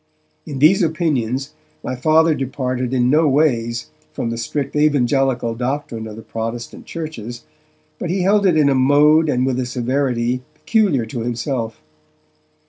In these opinions my Father departed in no ways from the strict evangelical doctrine of the Protestant churches, but he held it in a mode and with a severity peculiar to himself.